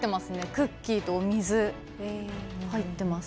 クッキーとお水入ってます。